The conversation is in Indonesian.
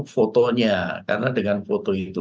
fotonya karena dengan foto itu